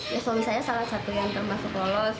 ya suami saya salah satu yang termasuk lolos